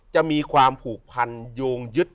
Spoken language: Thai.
จะมีความผูกพันโยงยึด